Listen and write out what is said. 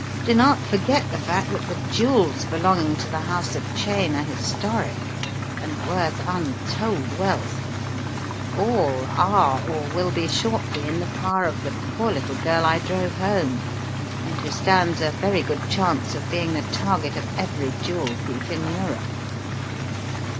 Do not forget the fact that the jewels belonging to the house of Cheyne are historic, and worth untold wealth. All are or will be shortly in the power of the poor little girl I drove home and who stands a very good chance of being the target of every jewel thief in Europe.